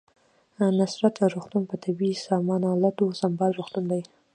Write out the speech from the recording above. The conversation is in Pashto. نصرت روغتون په طبي سامان الاتو سمبال روغتون دی